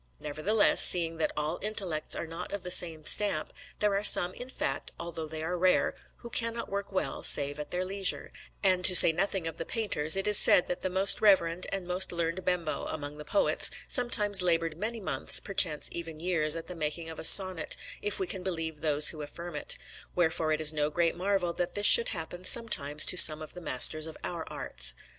Nevertheless, seeing that all intellects are not of the same stamp, there are some, in fact, although they are rare, who cannot work well save at their leisure; and to say nothing of the painters, it is said that the most reverend and most learned Bembo among the poets sometimes laboured many months, perchance even years, at the making of a sonnet, if we can believe those who affirm it; wherefore it is no great marvel that this should happen sometimes to some of the masters of our arts.